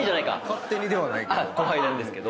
勝手にではないけど。